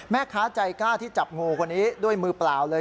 แม่ค้าใจกล้าที่จับงูคนนี้ด้วยมือเปล่าเลย